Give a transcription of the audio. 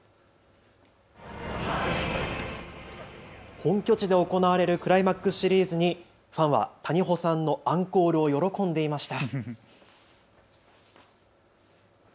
本拠地で行われるクライマックスシリーズにファンは谷保さんのアンコールを喜んでいました。